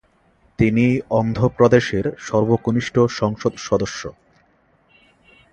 তিনি অন্ধ্রপ্রদেশের সর্বকনিষ্ঠ সংসদ সদস্য।